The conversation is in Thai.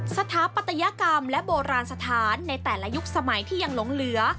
สถาปัตยกรรมและโบราณสถานในแต่ละยุคสมัยที่ยังหลงเหลือ